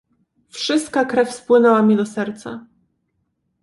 "Wszystka krew spłynęła mi do serca..."